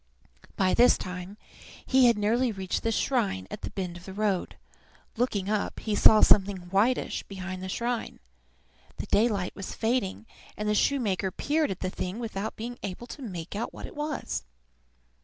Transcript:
By this time he had nearly reached the shrine at the bend of the road. Looking up, he saw something whitish behind the shrine. The daylight was fading, and the shoemaker peered at the thing without being able to make out what it was.